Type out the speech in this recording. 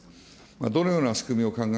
どのような仕組みを考え